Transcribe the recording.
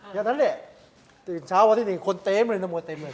อย่างนั้นเนี่ยตื่นเช้าวันที่๑คนเต็มเลยนะมวยเต็มเลย